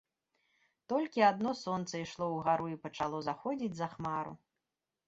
Толькі адно сонца ішло ўгару і пачало заходзіць за хмару.